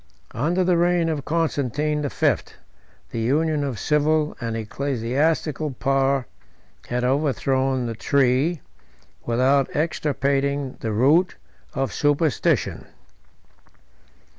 77 Under the reign of Constantine the Fifth, the union of civil and ecclesiastical power had overthrown the tree, without extirpating the root, of superstition.